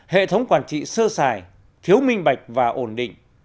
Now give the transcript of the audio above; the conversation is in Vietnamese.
hệ thống quản trị sơ xài thiếu minh bạch và ổn định